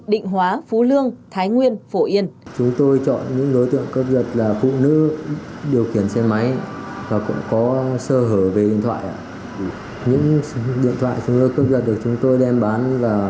định hóa phú lương thái nguyên phổ yên